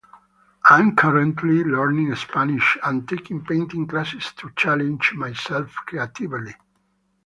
I am currently learning Spanish and taking painting classes to challenge myself creatively.